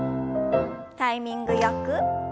タイミングよく。